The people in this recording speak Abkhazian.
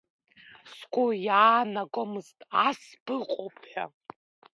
Сгәы иаанагомызт, ас быҟоуп ҳәа!